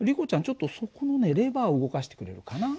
ちょっとそこのねレバーを動かしてくれるかな？